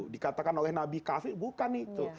dikatakan oleh nabi kafir bukan itu